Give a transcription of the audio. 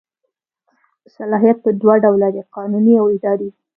صلاحیت په دوه ډوله دی قانوني او اداري.